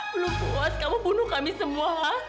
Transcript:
belum puas kamu bunuh kami semua